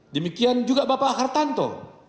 demikian juga bapak akhartanto